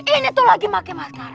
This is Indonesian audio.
ini tuh lagi pake mascara